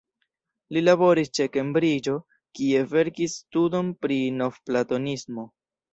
Li laboris ĉe Kembriĝo, kie verkis studon pri Novplatonismo.